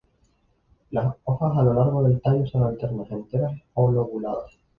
Las hojas a lo largo del tallo son alternas, enteras o lobuladas.